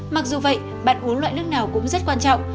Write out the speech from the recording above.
mặc dù vậy bạn uống loại nước nào cũng rất quan trọng